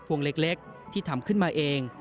วงเล็กที่ทำขึ้นมาเอง